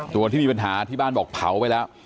ตัวที่มีปัญหาที่บ้านบอกเผาไปแล้ว